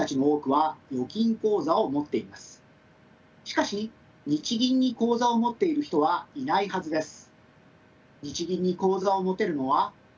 しかし日銀に口座を持っている人はいないはずです。